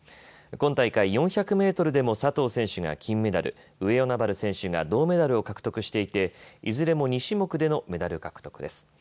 今大会、４００メートルでも佐藤選手が金メダル、上与那原選手が銅メダルを獲得していて、いずれも２種目でのメダル獲得です。